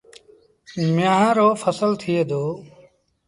ميݩهآن رو ڦسل ٿئي دو۔